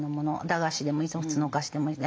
駄菓子でもいいし普通のお菓子でもいい。